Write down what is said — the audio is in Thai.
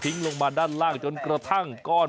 ลงมาด้านล่างจนกระทั่งก้อน